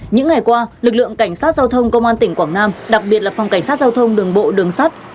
những ngày qua lực lượng cảnh sát giao thông công an tỉnh quảng nam đặc biệt là phòng cảnh sát giao thông đường bộ đường sắt